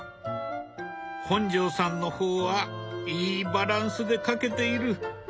本上さんの方はいいバランスで描けている。